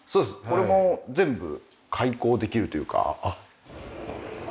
これも全部開口できるというか。